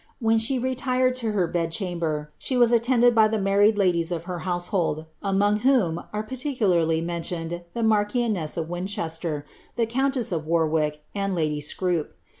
When she retired to her bed chamber, she was attended by the married ladies of her household, among whom are particularly mentioned the marchioness of Winchester, the countess of Warwick, and lady Scroop.